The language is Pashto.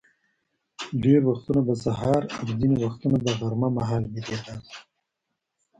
ډېر وختونه به سهار او ځینې وختونه به غرمه مهال بېدېدم.